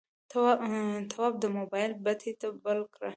تواب د موبایل بتۍ بل کړه.